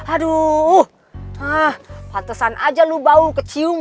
aduh ah patusan aja lu bau kecium